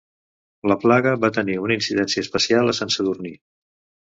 La plaga va tenir una incidència especial a Sant Sadurní.